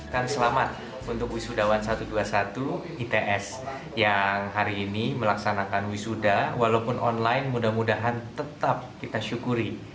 dan selamat untuk wisudawan satu ratus dua puluh satu its yang hari ini melaksanakan wisuda walaupun online mudah mudahan tetap kita syukuri